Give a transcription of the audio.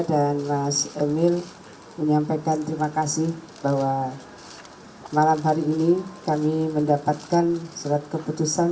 dan mas emil menyampaikan terima kasih bahwa malam hari ini kami mendapatkan serat keputusan